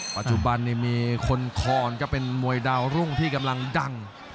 ปัจจุบันนี้มีคนคอนครับเป็นมวยดาวรุ่งที่กำลังดัง